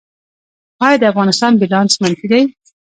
آیا د افغانستان بیلانس منفي دی؟